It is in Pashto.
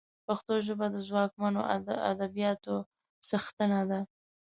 پښتو ژبه د ځواکمنو ادبياتو څښتنه ده